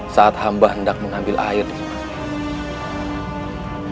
saat hamba hendak berjalan ke rumah